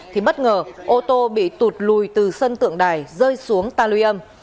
thì bất ngờ ô tô bị tụt lùi từ sân tượng đài rơi xuống ta lưu âm